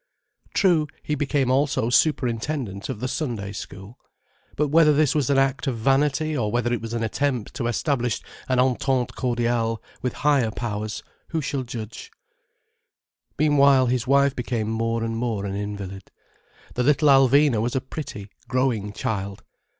True, he became also Superintendent of the Sunday School. But whether this was an act of vanity, or whether it was an attempt to establish an Entente Cordiale with higher powers, who shall judge. Meanwhile his wife became more and more an invalid; the little Alvina was a pretty, growing child.